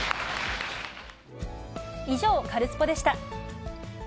以上、カルスポっ！でした。